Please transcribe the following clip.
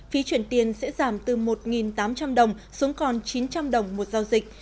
phí chuyển tiền sẽ giảm từ một tám trăm linh đồng xuống còn chín trăm linh đồng một giao dịch